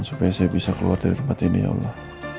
supaya saya bisa keluar dari tempat ini ya allah